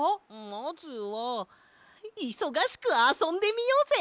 まずはいそがしくあそんでみようぜ。